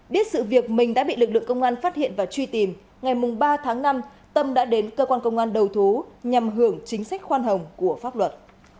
biết sự việc mình đã bị lực lượng công an phát hiện và truy tìm ngày ba tháng năm tâm đã đến cơ quan công an đầu thú nhằm hưởng chính sách khoan hồng của pháp luật